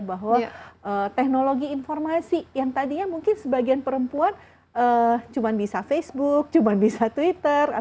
bahwa teknologi informasi yang tadinya mungkin sebagian perempuan cuma bisa facebook cuma bisa twitter